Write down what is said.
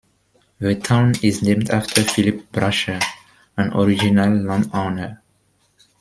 The town is named after Philip Brasher, an original landowner.